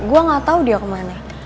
gue gak tau dia kemana